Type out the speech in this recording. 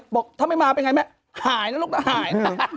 บอกถ้าไม่มาเป็นไงแม่หายนะลูกก็หายนะ